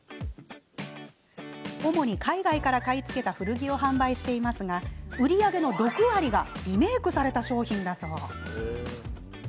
主に海外から買い付けた古着を販売していますが売り上げの６割がリメークされた商品だそうです。